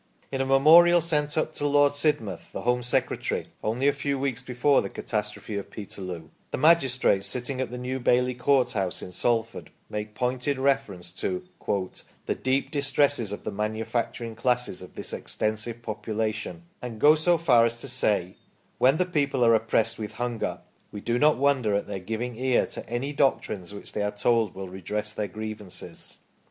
In a memorial sent up to Lord Sidmouth, the Home Secretary, only a few weeks before the catastrophe of Peterloo, the magistrates sitting at the New Bailey Courthouse in Salford make pointed reference to " the deep distresses of the manufacturing classes of this extensive population," and go so far as to say :" when the people are oppressed with hunger we do npt wonder at their giving ear to any doctrines which they are told will redress their grievances'".